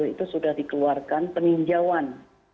itu sudah dikeluarkan peninjauan